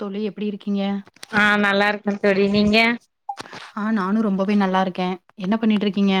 தோழி எப்படி இருக்கீங்க ஆ நல்லா இருக்கே தோழி நீங்க ஆ நானு ரொம்பவே நல்லா இருக்க என்ன பண்ணிட்டு இருக்கீங்க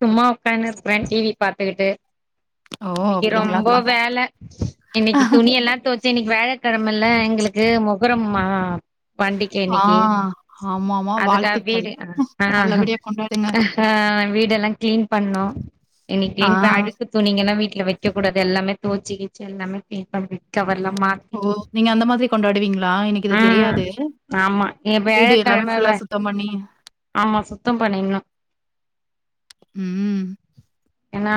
சும்மா உக்கான்னு இருக்குற டி வி பாத்துக்கிட்டு ஓ இன்னிக்கு ரொம்ப அப்டிங்களாக்கா வேல இன்னிக்கு துணி எல்லா தோ சே இன்னைக்கு வேழக்கிழமல்ல எங்களுக்கு மொகரம்மா பண்டிக்க ஆ இன்னைக்கி ஆமாமா அதுக்கா வாழ்த்துக்கள் வீடு அஹ நல்லபடியா கொண்டாடுங்க அ வீடெல்லா கிளீன் பண்ணோ ஆ இன்னிக்கின் பாரு துணிங்கல்லா வீட்ல வைக்க கூடாது எல்லாமே தோச்சி கீச்சி எல்லாமே சேஞ் பண்ணி பெட் கவர் எல்லா மாத் ஓ நீங்க அந்த மாதிரி கொண்டாடுவீங்களா எனக்கு இது ஆ தெரியாது ஆமா ஏ வீடு எல்லாமே வியாழக்கிழம ஃபுல்லா வே சுத் தோ பண்ணி ஆமா சுத்தம் பண்ணிடுனு ம் ஏன்னா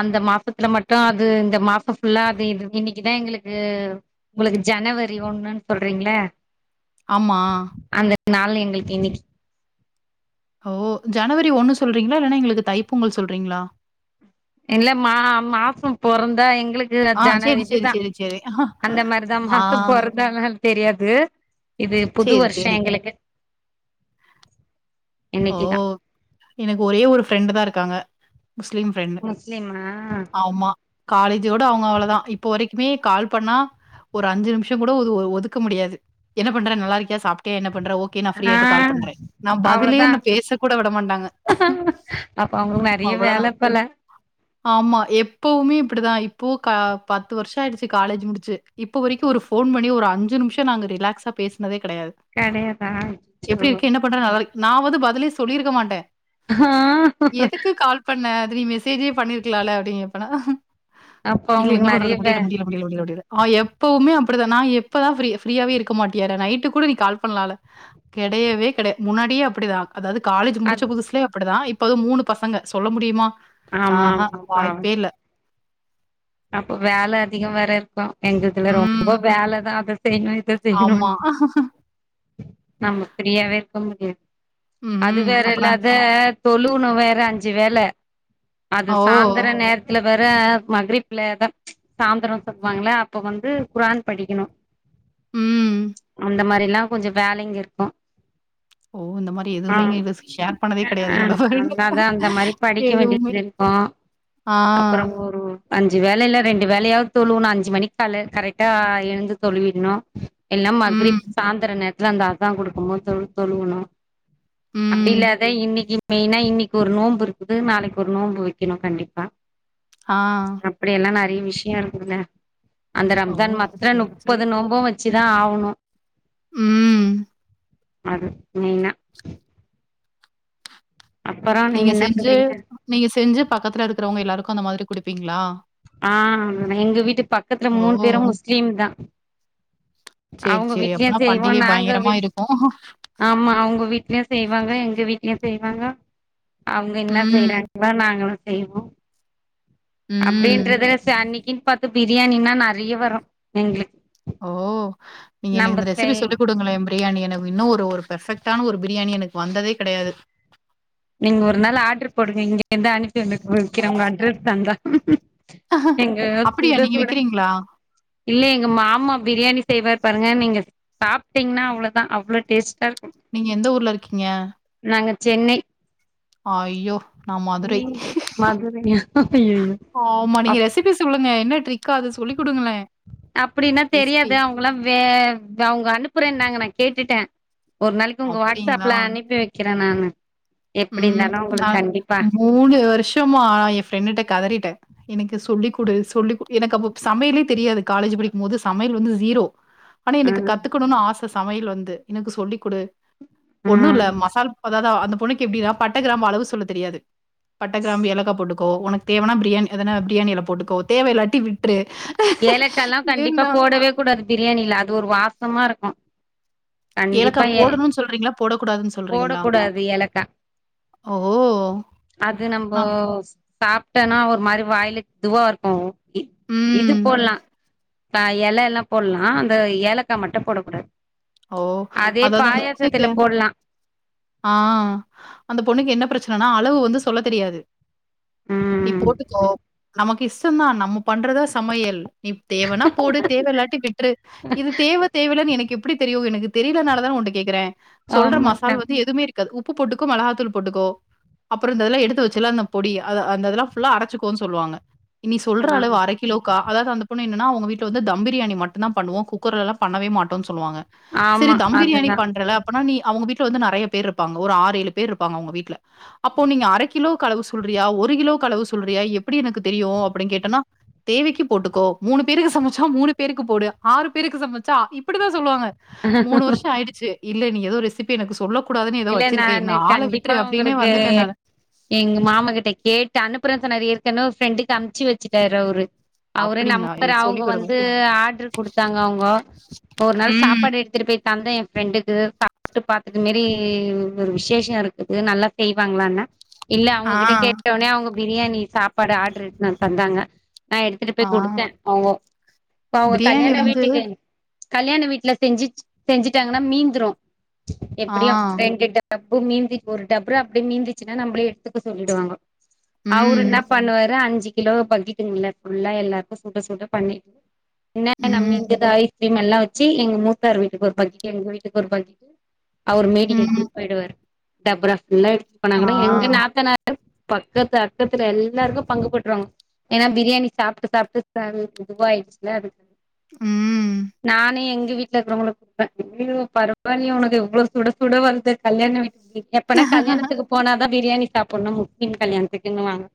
அந்த மாசத்துல மட்டு அது இந்த மாசம் ஃபுல்லா அது இது இன்னைக்குதா எங்களுக்கு உங்களுக்கு ஜனவரி ஒண்ணுன்னு சொல்றீங்கள ஆமா அந்த நாள்ள எங்களுக்கு இன்னிக்கி ஓ ஜனவரி ஒன்னு சொல்றீங்களா இல்லன்னா எங்களுக்கு தைப் பொங்கல் சொல்றீங்களா இல்ல மா மாசம் பொறந்தா எங்களுக்கு இல்ல ஆ ஜான சேரி சேரி இதுதா சேரி சேரி அந்த மாரிதா ஆ மாச பொற அதாதான் தெரியாது இது புது சேரி வர்ஷோ சேரி எங்களுக்கு ஓ இன்னைக்குதா எனக்கு ஒரே ஒரு ஃப்ரெண்ட்டு தா இருக்காங்க முஸ்லீம் ஃப்ரெண்டு முஸ்லீமா ஆமா காலேஜோட அவுங்க அவ்ளோதா இப்ப வரைக்குமே கால் பண்ணா ஒரு அஞ்சு நிம்ஷங்கூட ஒதுஒ ஒதுக்க முடியாது என்ன பண்ற நல்ல இருக்கியா சாப்ட்டியா என்ன பண்ற ஓக் கே நா ஆ ஃப்ரீயாய்ட்டு கால் பண்ற நா பதிலே அவ்ளோதா பேசக்கூட விட மாட்டாங்க. அப்ப அவுங்களுக்கு நறைய வேல அவ்வளதான். போல ஆமா எப்பவுமே இப்படிதா இப்போ கா பத்து வருஷோ ஆயிடுச்சு காலேஜ் முடிச்சு இப்போ வரைக்கு ஒரு ஃபோன் பண்ணி ஒரு அஞ்சு நிம்ஷோ நாங்க ரிலாக்ஸா நாங்க பேசனதே கெடயாது கெடையதா அச்சோ பண்ற நல்லால் நா வந்து பதிலே சொல்லீருக்க மாட்ட ஆஹ் எதுக்கு கால் பண்ண அது நீ மெசேஜே பண்ணீருக்கலால அப்டின்னு கேப்பனா அப்ப இல்ல என்ன அவங்களுக்கு பண்றது நெறைய வே முடில முடில முடில முடில முடில ஆனா எப்பவுமே அப்பிடிதா நா எப்பதா ஃப்ரீ ஃப்ரீயாவே இருக்க மாட்டியாடா நைட்டு கூட நீ கால் பண்லால கெடையவே கெடைய முன்னாடியே அப்படிதா அதாது காலேஜ் முடிச்ச அத் புதுசுலயே அப்பிடிதா இப்பது மூணு பசங்க சொல்ல முடியுமா ஆமா ஆஹா ஆமா வாய்ப்பே இல்ல அப்ப வேல அதிகோ வேற இருக்கூ எங்க இதுல ம். ரொம்ப வேலதா அத செய்ணு இத ஆமா. செய்னுன்டு நம்ம ஃப்ரீயாவே இருக்க முடியாது அது ம்ஹ்ம். வேற அப்பனா இல்லாத தொழூணு வேற அஞ்சு வேல அது ஓ! சாந்தர நேரத்துல வேற மக்ரிப் லதா சாந்திரோ சொல்வாங்கள அப்ப வந்து குரான் படிக்கணு ம் இந்த மாரிலா கொஞ்சோ வேலைங்க இருக்கூ ஓ! இந்த மாரி ஆ எதுவுமே இங்க ம் இது ஷேர் பண்ணதே கிடையாது என்னோட பர்த்டே அததா அந்த மாரி படிக்க எதுவுமே. வேண்டிது ஆ ஆ அஞ்சு வேலைல ரெண்டு வேலையாவ்து தொழுவுணு அஞ்சு மணிக்கால கரெக்டா எழுந்து தொழுவீர்ணு எல்லா ம். மக்ரிப் சாந்திர நேரத்துல அந்த அதா குடுக்கமோ தொ தொழுகுணு ம். அப்டில்லாத இன்னிக்கு மெய்னா இன்னைக்கு ஒரு நோம்பு இருக்குது நாளைக்கு ஒரு நோம்பு வைக்கணு கண்டிப்பா ஆ அப்டியெல்லா நெறைய விஷ்யோ இருக்குதுல்ல அந்த ஓ! ரம்ஜான் மாத்ர சரி, சரி. முப்பது நோன்பூ வச் ச்சுதா ஆவுணு ம் அது மெய்னா அப்புறோ நீங்க என்ன செஞ்சு பண்றீங்க நீங்க செஞ்சு பக்கத்துல இருக்றவங்க எல்லாருக்கு அந்த மாதிரி குடுப்பீங்ளா ஆ எங்க வீட்டு பக்கத்துல ஓ! மூணு பேரூ முஸ்லீம்தா சரி, அவுங்க சரி. வீட்லயு அப்பன்னா செய்வோ பண்டிகை நாங்க பயங்கரமா வீட் இருக்கும். ஆமா அவுங்க வீட்லயு செய்வாங்க எங்க வீட்லயு செய்வாங்க அவுங்க என்னா ம், செய்றாங்களோ நாங்களு செய்வோ ம். அப்டீன்றதுல ச அன்னிக்குன்னு பாத்து பிரியாணின்னா நெறைய வரூ எங்ளுக் ஓ நீங்க எனக்கு இந்த ரெசிபி செய் சொல்லிக் குடுங்களே பி பிரியாணி எனக்கு இன்னு ஒரு ஒரு பெர்ஃபெக்டான ஒரு பிரியாணி எனக்கு வந்ததே கெடயாது நீங்க ஒரு நாள் ஆர்டர் போடுங்க இங்கருந்து அனுப்பி உங்களுக்கு வக்கிறே உங்க அட்ரஸ் தந்தா ஏங்க அப்படியா சுட நீங்க சுட விக்கிறீங்களா? இல்ல எங்க மாமா பிரியாணி செய்வார் பாருங்க நீங்க சாப்ட்டீங்ன்னா அவ்ளதா அவ்ளோ டேஸ்டா இருக்கூ நீங்க எந்த ஊர்ல இருக்கீங்க நாங்க சென்னை ஐயோ நான் மதுரை. நீ மதுரை ஐய்யய்யோ ஆமா நீங்க ரெசிபி சொல்லுங்க என்ன ட்ரிக் அது சொல்லி குடுங்களே அப்படின்னா தெரியாது அவங்கல்லா வே அவங்க அனுப்புறன்னாங்க நா கேட்டுட்ட ஒரு நாளைக்கு உங்க அப்படிங்களா? வாட்ஸ்சாப்ல அனுப்பி வைக்கிறே நானு எப்டி இருந்தாலு உங்களுக்கு கண்டிப்பா மூணு வருஷமா ஏ ஃப்ரெண்டுட்ட கதறிட்டே எனக்கு சொல்லி குடு சொல்லி எனக்கு அப்போ சமையலே தெரியாது காலேஜ் படிக்கும் போது சமையல் வந்து ஜீரோ ஆனா ஆ எனக்கு கத்துக்கணுனு ஆச சமயல் வந்து எனக்கு சொல்லி குடு ஒண்ணு இல்ல ம் மசால் ப த அந்த பொண்ணுக்கு எப்டினா பட்ட கிராம்பு அளவு சொல்ல தெரியாது பட்ட கிராம்பு ஏலகா போட்டுக்கோ ஒனக்கு தேவனா ப்ரியாணி எதனா ப்ரியாணி எல போட்டுக்கோ தேவ இல்லாட்டி விட்று ஏலக்கால்லா கண்டிப்பா போடவே கூடாது ப்ரியாணில அது ஒரு வாசமாருக்கு ஏலக்கா போடுணு சொல்றீங்களா போட கூடாதுன்னு சொல்றீங்களா போடக்கூடாது ஏலக்கா ஓ அது நம்ம நான் சாப்ட்டனா ஒரு மாரி வாய்ல இதுவாருக்கு இ இது ம். போட்லா [unintelligible] எலல்லா போட்லா அந்த ஏலக்கா மட்டு போடக்கூடாது ஓ! அதே அதாவது அந்த பொண்ணுக்கு பாயாசத்துல போட்லா ஆ அந்த பொண்ணுக்கு என்ன ப்ரச்சனனா அளவு வந்து சொல்ல தெரியாது நீ ம் போட்டுக்கோ நமக்கு இஷ்டதா நம்ம பண்றதா சமையல் நீ தேவனா போடு தேவ இல்லாட்டி விட்று இது தேவ தேவல்லன்னு எனக்கு எப் டியு எனக்கு தெரியலனால தான உன்ட கேக்குற சொல்ற ஆமாக்கா மசால் வந்து எதுமே இருக் காது உப்பு போட்டுக்கோ மெளகாத்தூள் போட்டுகோ அப்றோ இந்த இதெல்ல எடுத்து வச்சுல்ல அந்த பொடி அத அந்தெல்லா ஃபுல்ல அரைச்சுக்கோன்னு சொல்லுவாங்க நீ சொல்ற ஆ அளவு அரைக்கிலோக்கா அதாவ்து அந்த பொண்ணு என்னன்னா அவுங்கவீட்ல வந்து தம் ப்ரியாணி மட்டு தா பண்ணுவோ குக்கர்லலா பண்ணவே மாட்டோ சொல்லுவாங்க செரி ஆமா தம் ப்ரியாணி அதுதான். பண்றல அப் பனா நீ அவுங்க வீட்டுல வந்து நெறைய பேரு இருப்பாங்க ஒரு ஆரெழு பேர் இருப்பாங்க அவுங்க வீட்ல அப்போ நீங்க அர கிலோவுக்கு அளவு சொல்றியா ஒரு கிலோவுக்கு அளவு சொல்றியா எப்டி எனக்கு தெரியு அப்டி கேட்டனா தேவைக்கி போட்டுக்கோ மூணு பேருக்கு சமச்சா மூணு பேருக்கு போடு ஆறு பேருக்கு சமச்சா ஆ இப் டிதா சொல்வாங்க மூணு வர்ஷோ ஆயிடுச்சு இல்ல நீ ஏதோ ரெசிபி எனக்கு சொல்ல கூடாதுன்னு ஏதோ இல்ல வச்சிருக்க நானு என்ன ஆள கண்டிப்பா விட்ரு அப்டின்னே உங்களுக்கு வந்துட்டே நானு எங்க மாமா கிட்ட கேட்டு அனுப்புற சொன்னாரு ஏற்கன ஒரு ஃப்ரெண்டுக்கு அம்ச்சி வச்சிட்டாரு அவுரு அவ்ரே அப்படிங்களா? நம்பர எனக்கு அவுங்க சொல்லிக் கொடுங்க. வந்து ஆர்டரு குடுத்தாங்க அவோங்க ஒரு நாள் ம். சாப்பாடு எடுத் துட்டுபோய் தந்த என் ஃப்ரெண்டுக்கு சாப்ட்டு பாத்துட்டு மேரி ஒரு விஷேச இருக்குது நல்லா செய்வாங்களான்ன இல்ல ஆ. அவுங்ககிட்ட கேட்டோனே அவுங்க ப்ரியாணி சாப்பாடு ஆர்டரு இட்னு வந்து தந்தாங்க நா எடுத்துட்டு ஆ. போய் குடுத்தே அவுங்க இப்ப அவுங்க பிரியாணி கல்யாண வந்து வீட்டுக்கு கல்யாண வீட்டுல செஞ்சு செஞ்சுட்டாங்கன்னா மீந்துரு ஆ. எப்டியு ரெண்டு டப் டப்பு மீந்தி ஒரு டபரா அப்டே மீந்திச்சுன்னா நம்பளே எடுத்துக்க சொல்லிடுவாங்க அவ்ரு ம். இன்ன பண்ணுவாரு அஞ்சு கிலோ பக்கெட்டுங்ள ஃபுல்லா எல்லாருக்கு சுட சுட பண்ணி இன்னன்னா ம். மிந்துதோ ஐ கிரீம் எல்லா வச்சு எங்க மூத்தாரு வீட்டுக்கு ஒரு பக்கிட்டு எங்க வீட்டுக்கு ஒரு பக்கிட்டு அவுரு மீதி ம். எடுத்துபோய்டுவரு டபரா ஃபுல்லா எடுத்துட்டு ஆ. போனாங்கனா எங்க நாத்தனா [inaudible] பக்கத்து அக்கத்துல எல்லருக்கு பங்கு போட்ருவாங்க ஏன்னா ப்ரியாணி சாப்ட்டு சாப்ட்டு சல் இதுவயிடுச்சுல அதுக்கண்டி ம் நானு எங்க வீட்ல இருக்கவங்களு குடுப்பே அய்யியோ பரவாலைய உனக்கு இவ்ளோ சுட சுட வர்து கல்யாண வீட்டு ப்ரி எப்பனா கல்யாணத்துக்கு போனாதா ப்ரியாணி சாப்னு முஸ்லிம் கல்யாணத்துக்குன்னுவாங்க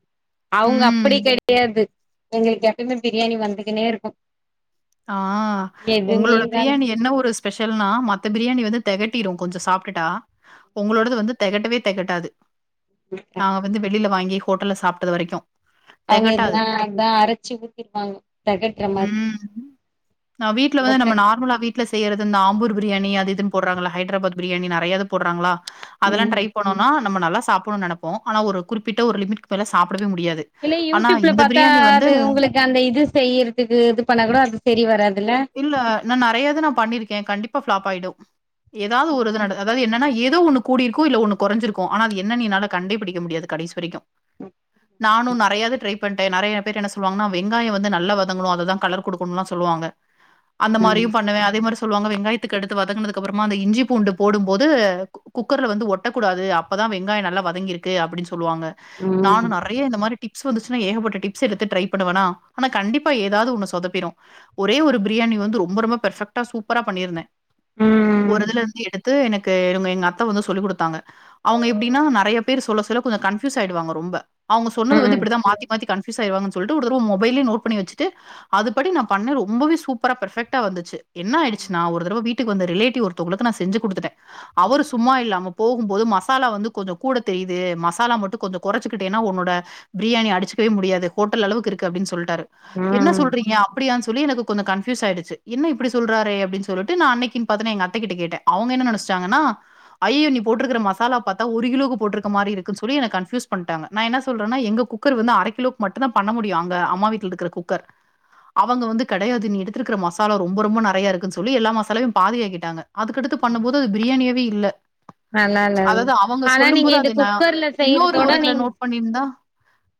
அவுங்க ம். அப்டி கெடையாது எங்களுக்கு எப்யுமே ப்ரியாணி வந்துகுனே இருக்கு ஆ எதுவுமே உங்களோட இருந்தாலு ப்ரியாணி என்ன ஒரு ஸ் பெஷல்னா மத்த ப்ரியாணி வந்து திகட்டிடரு கொஞ்ச சாப்டுட்டா உங்களோட வந்து தெகட்டவே தெகட்டாது [inaudible] நாங்க வந்து வெளில வாங்கி ஹோட்டல்ல சாப்டது வரைக்கு அவுங்க எதுனா அதா அரச்சு ஊத்திப்பாங்க தெகட்ற மாரி நா வீட்ல வந்து ஓட்ட நம்ம நார்மலா வீட்ல செய்யறது இந்த ஆம்பூர் பிரியாணி அது இது போட்றாங்கள ஹைட்ராபாத் பிரியாணி நெறையது போடுறாங்களா அதெல்லா ம் ட்ரை பண் ஆனா நம்ம நல்லா சாப்புனு நெனப்போ ஆனா ஒரு குறிப்பிட்ட ஒரு லிமிட்கு மேல சாப்டவே முடியாது இல்ல ஆனா யூடியூப்ல இந்த பாத்தா பிரியாணி வந்து அது உங்களுக்கு அந்த இது செய்யறதுக்கு இது பண்ண கூட அது செரி வராதுல இல்ல நா நெறையது நா பண்ணிருக்க கண்டிப்பா ஃபிளாப்பாயிடு ஏதாவது ஒரு இது ம் நட அதாவது என்னனா ஏதோ ஒன்னுக் கூடியிருக்கு இல்ல ஒன்னு கொறஞ்சிருக்கு ஆனா அது என்னன் என்னால கண்டே பிடிக்க முடியாது கடைஸ் வரைக்கு நானு நெறையது ட்ரை பண்ட்ட நெறைய பேர் என்ன சொல்வாங்னா வெங்காய வந்து நல்லா வதங்ணு அததுதா கலர் குடுக்கணுலா சொல்லுவாங்க அந்த மாரியு பண்ணுவ அதே மாரி சொல்வங்க வெங்காயத்துக்கு அடுத்து வதங்னதுக்கப்றமா அந்த இஞ்சி பூண்டு போடும் போது குக்கர்ல வந்து ஒட்டக்கூடாது அப்பதா வெங்காய நல்லா வதங்கிருக்கு அப்டின் சொல்லுவாங்க நானு நெறைய இந்த மாரி டிப்ஸ் வந்துச்சுனா ஏகப்பட்ட டிப்ஸ் எடுத்து ட்ரை பண்ணுவனா ஆனா கண்டிப்பா ஏதாது ஒன்னு சொதப் பிரு ஒரே ஒரு பிரியாணி வந்து ரொம்ப ரொம்ப பர்ஃபெக்டா சூப்பரா பண்ணிருந்த ம் ஒரு ம் ம் இதுல இந்து எடுத்து எனக்கு இங்க எங்க அத்த வந்து சொல்லி குடுத்தாங்க அவுங்க எப்டினா நெறைய பேர் சொல்ல சொல்ல கொஞ்ச கன்ஃபியூஸ் ஆயிடுவாங்க ரொம்ப அவுங்க சொன்னது வந்து இப்டிதா மாத்தி மாத்தி கன்ஃபியூஸ் ஆயிருவாங்கன் சொல்ட்டு உடுதடவ மொபைல்லியே நோட் பண்ணி வச்சிட்டு அதுபடி நா பண்ண ரொம்பவே சூப்பரா பெர்ஃபெக்டா வந்துச்சு என்னாயிடுச்சுனா ஒரு தடவ வீட்டுக்கு வந்த ரிலேட்டிவ் ஒருத் தவுங்ளுக்கு நா செஞ்சு குடுத்துட்ட அவரு சொ சும்மா இல்லாம போகும்போது மசாலா வந்து கொஞ்ச கூட தெரிது மசாலா மட்டு கொஞ்ச கொறச்சிக்கிட்டினா ஒன்னோட பிரியாணி அடிச்சுக்கவே முடியாது ஹோட்டல் அளவுக்கு இருக்கு அப்டின் சொல்ட்டாரு ம் என்ன ம் சொல் நீங்க அப்டியான் சொல்லி எனக்கு கொஞ்ச கன்ஃபியூஸ் ஆய்டுச்சு என்ன இப்டி சொல்றாறே அப்டின் சொல்லிட்டு நா அன்னைகின் பாத்து நா எங்க அத்தைகிட்ட கேட்ட அவுங்க என்ன நெனஸ்ட்டாங்கன்னா ஐய்யியோ நீ போட்ருக்கற மசாலா பாத்தா ஒரு கிலோக்கு போட்ருக்க மாரி இருக்குன் சொல்லி என கன்ஃபியூஸ் பண்டாங்க நா என்ன சொல்றனா எங்க குப் குக்கர் வந்து அர கிலோக் மட்டுந்தா பண்ண முடியு அங்க அம்மா வீட்ல இருக்ற குக்கர் அவங்க வந்து கெடையாது நீ எடுத்ருக்கற மசாலா ரொம்ப ரொம்ப நெறைய இருக்குன் சொல்லி எல்லா மசாலாவையு பாதியாக்கிட்டாங்க அதுக்கடுத்து பண்ணும்போது அது பிரியாணியாவே இல்ல நல்லா இல்ல அததா அவங்க ஆனா சொல்லும் நீங்க போது இது அது நா குக்கர்ல இன்னொரு செய்யறதோட ஒருதுல நீங் நோட் பண்ணிந்தா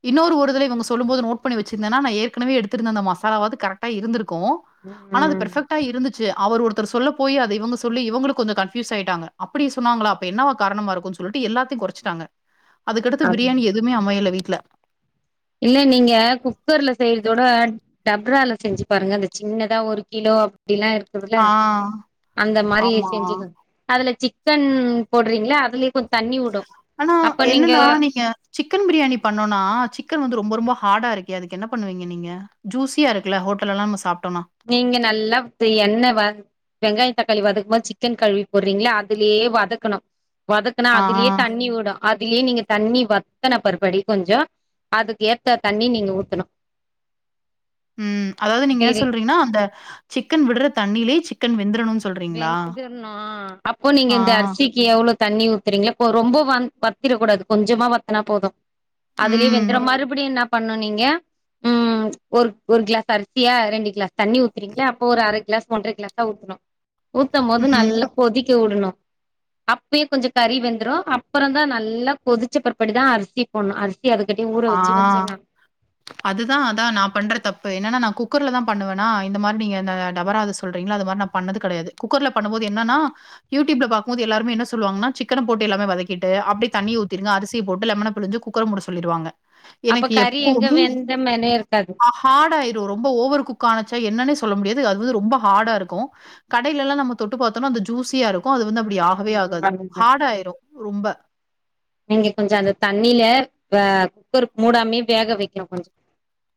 இன்னொரு ஒருதல இவுங்க சொல்லும் போது நோட் பண்ணி வச்சிருந்தனா நா ஏற்கனவே எடுத்திருந்த அந்த மஸ் சலாவாது கரக்டா இருந்திருக்கு ம் அது பெர்பெக்டா இருந்துச்சு அவர் ஒருத்தர் சொல்ல போய் அது இவுங்க சொல்லி இவுங்களு கொஞ்ச கன்ஃபியூஸ் ஆயிட்டாங்க அப்டி சொன்னாங்களா அப்ப என்னவா காரணமா இருக்குன் சொல்லிட்டு எல்லாத்தியு கொறைச்சிட்டாங்க அதுக்கடுத்து அப் பிரியாணி எதுமே அமையல வீட்ல இல்ல நீங்க குக்கர்ல செய்யறதோட டப்ரால செஞ்சு பாருங்க அந்த சின்னதா ஒரு கிலோ அப்டிலா இருக்குதுல ஆ அந்த மாரி ஆமா செஞ்சுங்க அதுல சிக்கன் போட்றிங்ளா அதுலே கொஞ் தண்ணி வுட் ஆனா என்னனா நீங்க சிக்கன் பிரியாணி பண்ணோனா சிக்கன் வந்து ரொம்ப ரொம்ப ஹாடா இருக்கே அதுக்கு என்ன பண்ணுவீங்க நீங்க ஜூஸியா இருக்குல்ல ஹோட்டல்லலா நம்ம சாப்ட்டோனா நீங்க நல்லா வ எண்ணெ வ வெங்காய தக்காளி வதக்கம்போது சிக்கன் கழுவி போர்றீங்கல்ல அதுலியே வதக்கணு வதக்குனா ஆ அதுலியே ஆ. தண்ணி விடு அதுலியே நீங்க தண்ணி வத்தன பர்படி கொஞ்ச அதுக்கு ஏத்த தண்ணி நீங்க ஊத்தணு ம் அதாவது நீங்க என்ன ஊத்தணு சொல்றீங்கனா அந்த சிக்கன் விட்ற தண்ணியிலயே சிக்கன் வெந்துரணுன் அப்போ நீங்க ஆ. இந்த அரிசி க்கி எவ்ளோ தண்ணி ஊத்துறீங்களா இப்போ ரொம்ப வந் வத்திரக்கூடாது கொஞ்சமா வத்துனா போது அதுலயே ம். வெந்துரு மறுபடியு என்ன பண்ணு நீங்க ம் ஒரு ஒரு கிளாஸ் அரிசியா ரெண்டு கிளாஸ் தண்ணி ஊத்துறீங்களா அப்போ ஒரு அர கிளாஸ் ஒன்ற கிளாஸா ஊத்தணு ஊத்தம் போது ம். நல்லா கொதிக்கவுடணு அப்பயே கொஞ்ச கறி வெந்துரு அப்புறந்தா நல்லா கொதிச்ச பற்பாடு தா அரிசி போட்ணு அரிசிய அதுக்காட்டி ஊற வச்சு வச்சுர்ணு அதுதா அதா நா பண்ற தப்பு என்னன்னா நா குக்கர்ல தா பண்ணுவேன்னா இந்த மாரி நீங்க இந்த டபரால சொல்றீங்கல்ல அது மாரி நா பண்ணது கெடையாது குக்கர்ல பண்ணம் போது என்னன்னா யூடியூப்ல பாக்கும்போது எல்லாருமே என்ன சொல்வாங்கன்னா சிக்கன போட்டு எல்லாமே வதக்கிட்டு அப்டே தண்ணிய ஊத்திருங்க அரிசிய போட்டு லெமன புழுஞ்சு குக் கர மூட சொல்லிடுவாங்க அப்ப எனக்கு கறி எங்க எப்போவுமே வெந்த மேனே இருக்காது ஆ ஹார்ட் ஆயிரு ரொம்ப ஓவர் குக் ஆனுச்சா என்னன்னே சொல்ல முடியாது அது வந்து ரொம்ப ஹார்டா இருக்கு கடையிலல்லா நம்ம தொட்டு பாத்தோன்னா அந்த ஜூஸியா இருக்கு அது வந்து அப்படி ஆகவே ஆகாது ஹார்ட் ஆயிரு ரொம்ப நீங்க கொஞ்ச அந்த தண்ணில வ குக்கர் மூடாமயே வேக வக்கனு கொஞ்ச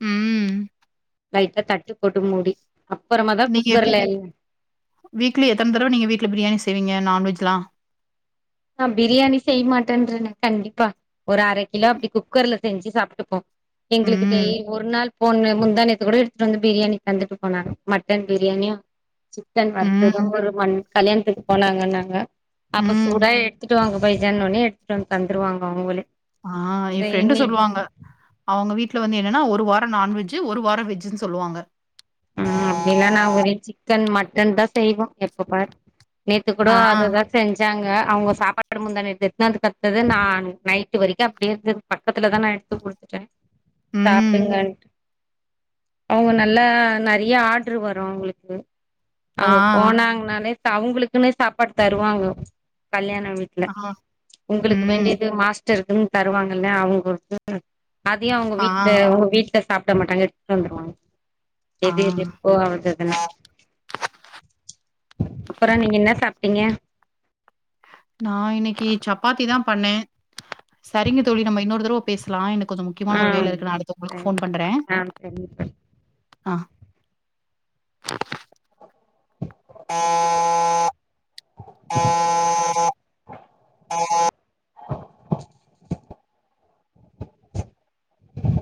ம் லைட்டா தட்டு போட்டு மூடி அப்புறமா தா நீங்க எப்டி குக்கர்ல வீக்லி எத்தன தடவ நீங்க வீட்ல பிரியாணி செய்வீங்க நாண் வெஜ்லா நா பிரியாணி செய்ய மாட்டேன்றேனே கண்டிப்பா ஒரு அர கிலோ அப்டி குக்கர்ல செஞ்சு சாப்ட்டுப்போ எங்களுக்கு ம். டெய் ஒரு நாள் போட்ணு முந்தா நேத்து கூட எடுத்துட்டு வந்து பிரியாணி தந்துட்டு போனாங்க மட்டன் பிரியாணியு சிக்கன் வறுத்தது ம். ஒரு மண் கல்யாணத்துக்கு போனாங்கன்னாங்க அப்போஸ் ம். சூடா எடுத்துட்டு வாங்க பைஜான் ஒன்னே எடுத்துட்டு வந்து தந்துடுவாங்க அவுங்களே ஆ ஏ ஃப்ரெண்டு சொல்லுவாங்க அவுங்க வீட்ல வந்து என்னென்னா ஒரு வார நாண்வெஜ்ஜு ஒரு வார வெஜ்ஜுன்னு சொல்லுவாங்க ம் அப்டிலா நா ஒரே சிக்கன் மட்டன் தா செய்வோ எப்ப பார் நேத்து கூட ஆ. அததா செஞ்சாங்க அவுங்க சாப்பாடு முந்தா நேத்து எடுத்துன்னு வந்து தந்தது நா நைட்டு வரைக்கு அப்டியே இருந்துது பக்கத்துலதா நா எடுத்துக் குடு த்த ம். சாப்டுங்கன்ட்டு அவுங்க நல்லா நெறைய ஆர்டரு வரு அவுங்களுக்கு ஆ. அவுங்க போனாங்கனாலே அவுங்களுக்குன்னே சாப்பாடு தருவாங்க கல்யாண வீட் ல ஆ. உங்களுக்கு ம். வேண்டியது மாஸ் மிச்ச இருக்குன்னு தருவாங்கல்ல அவுங்களுக்கு அதையு அவுங்க ஆ. வீட்ல உங்க வீட் ல சாப்ட மாட்டாங்க எடுத்துட்டு வந்துருவாங்க ஆ. எது எது எப்போ வந்துதுன்னா அப்புற நீங்க என்ன சாப்ட்டீங்க நா இன்னைக்கு சப்பாத்திதா பண்ணே சரிங்க தோழி நம்ம இன்னொரு தரவ பேசலா எனக்கு கொஞ்ச முக் ஆ முக்கியமான ஒரு வேல இருக்கு நா அடுத்து உங்களுக்கு சரி ஃபோன் பண்றே ஆ சரி ஆ